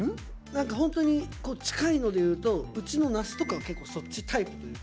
何かホントに近いのでいうとうちの那須とかは結構そっちタイプというか。